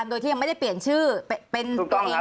คุณเอกวีสนิทกับเจ้าแม็กซ์แค่ไหนคะ